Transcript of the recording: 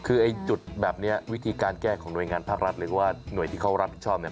คือไอ้จุดแบบนี้วิธีการแก้ของหน่วยงานภาครัฐหรือว่าหน่วยที่เขารับผิดชอบเนี่ย